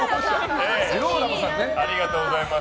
ありがとうございます。